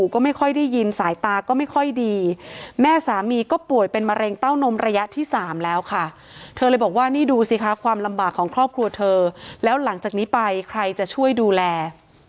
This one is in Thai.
ก็ไม่ค่อยได้ยินสายตาก็ไม่ค่อยดีแม่สามีก็ป่วยเป็นมะเร็งเต้านมระยะที่๓แล้วค่ะเธอเลยบอกว่านี่ดูสิคะความลำบากของครอบครัวเธอแล้วหลังจากนี้ไปใครจะช่วยดูแล